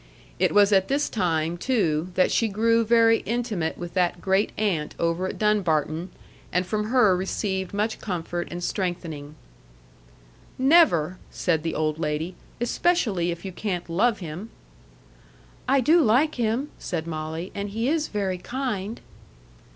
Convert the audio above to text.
It was at this time, too, that she grew very intimate with that great aunt over at Dunbarton, and from her received much comfort and strengthening. "Never!" said the old lady, "especially if you can't love him." "I do like him," said Molly; "and he is very kind."